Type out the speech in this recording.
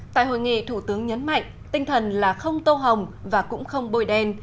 tại hội nghị thủ tướng nhấn mạnh tinh thần là không tô hồng và cũng không bôi đen